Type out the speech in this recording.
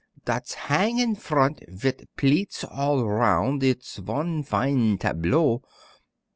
Dat's hang in front vit pleats all roun' It is von fin' tableau."